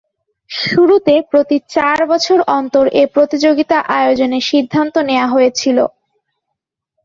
শুরুতে প্রতি চার বৎসর অন্তর এ প্রতিযোগিতা আয়োজনের সিদ্ধান্ত নেয়া হয়েছিল।